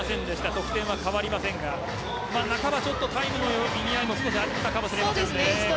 得点は変わりませんが半ばタイムの意味合いも含めてやったかもしれません。